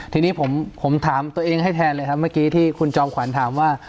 ทีนี้ผมถามตัวเองให้แทนเลยครับเมื่อกี้ที่คุณจอมขวัญถามว่า